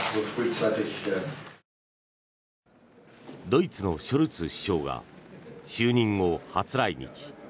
ドイツのショルツ首相が就任後初来日。